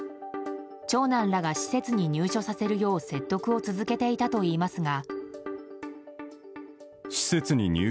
長男らが施設に入所させるよう説得を続けていたといいますが。